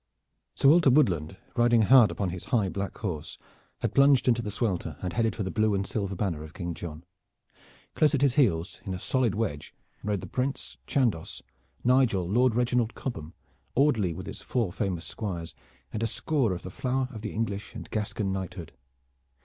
Sir Walter Woodland, riding hard upon his high black horse, had plunged into the swelter and headed for the blue and silver banner of King John. Close at his heels in a solid wedge rode the Prince, Chandos, Nigel, Lord Reginald Cobham, Audley with his four famous squires, and a score of the flower of the English and Gascon knighthood.